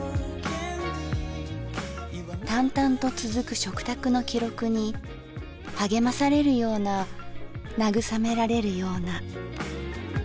淡々と続く食卓の記録に励まされるような慰められるような。